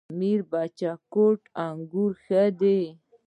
میربچه کوټ انګور ښه دي؟